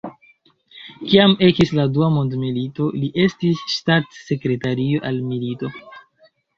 Kiam ekis la Dua mondmilito li estis ŝtatsekretario al milito.